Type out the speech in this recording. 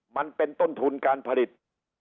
มันเป็นต้นทุนการผลิต